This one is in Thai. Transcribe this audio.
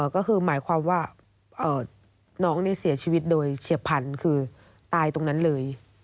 ก็คือหมายความว่าน้องนี่เสียชีวิตโดยเฉียบพันธุ์คือตายตรงนั้นเลย